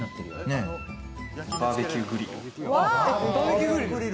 バーベキューグリル。